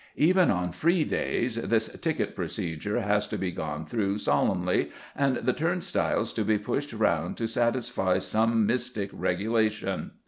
Even on "free days" this "ticket" procedure has to be gone through solemnly, and the turnstiles to be pushed round to satisfy some mystic regulation.